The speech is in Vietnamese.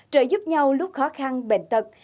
trợ giúp nhau lúc khó khăn bệnh tật